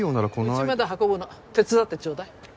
うちまで運ぶの手伝ってちょうだい。